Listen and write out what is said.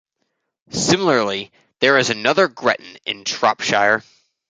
Similarly there is another Gretton in Shropshire.